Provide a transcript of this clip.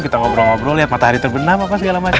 kita ngobrol ngobrol lihat matahari terbenam apa segala macam